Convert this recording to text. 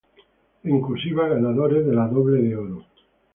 En Cursiva ganadores de la Doble de Oro.